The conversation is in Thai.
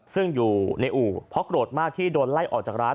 ซึ่งอยู่ในอู่เพราะโกรธมากที่โดนไล่ออกจากร้าน